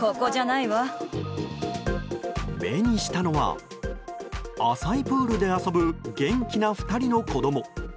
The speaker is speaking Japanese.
目にしたのは浅いプールで遊ぶ元気な２人の子供。